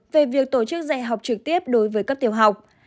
về việc tổ chức dạy học trực tiếp đối với cấp tiểu học